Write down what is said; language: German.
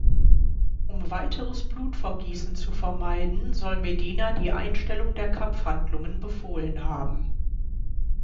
Um weiteres Blutvergießen zu vermeiden, soll Medina die Einstellung der Kampfhandlungen befohlen haben.